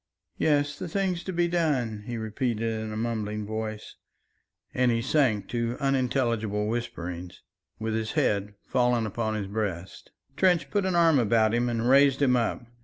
"Yes, the things to be done," he repeated in a mumbling voice, and he sank to unintelligible whisperings, with his head fallen upon his breast. Trench put an arm about him and raised him up.